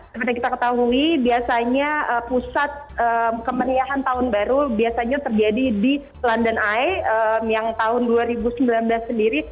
seperti kita ketahui biasanya pusat kemeriahan tahun baru biasanya terjadi di london eye yang tahun dua ribu sembilan belas sendiri